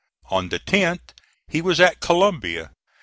On the 10th he was at Columbia.